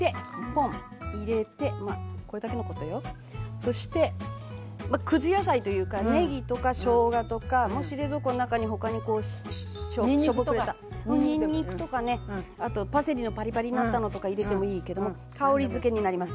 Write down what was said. そしてまあくず野菜というかねぎとかしょうがとかもし冷蔵庫の中に他にこうしょぼくれたにんにくとかねあとパセリのパリパリになったのとか入れてもいいけども香りづけになります。